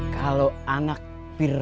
kalau anak firman